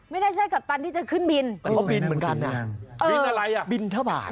ไม่ใช่กัปตันที่จะขึ้นบิน